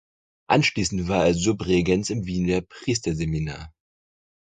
Anschließend war er Subregens im Wiener Priesterseminar.